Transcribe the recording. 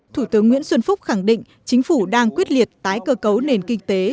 thủ tướng nguyễn xuân phúc khẳng định chính phủ đang quyết liệt tái cơ cấu nền kinh tế